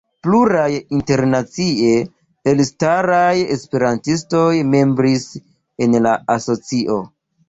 Pluraj internacie elstaraj esperantistoj membris en la asocio.